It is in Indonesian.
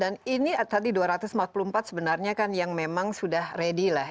dan ini tadi dua ratus empat puluh empat sebenarnya kan yang memang sudah ready lah